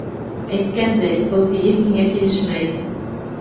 Әйткәндәй, был кейем һиңә килешмәй.